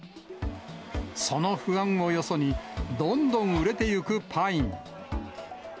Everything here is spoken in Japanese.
その不安をよそに、どんどん売れていくパイン。